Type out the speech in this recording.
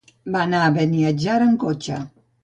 Va anar a Beniatjar amb cotxe.